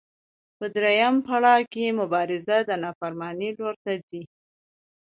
په درېیم پړاو کې مبارزه د نافرمانۍ لور ته ځي.